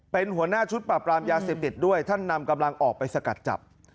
เป็นหัวหน้าชุดปราบรามยาเสพติดด้วยท่านนำกำลังออกไปสกัดจับ